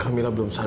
kamila gua yum makan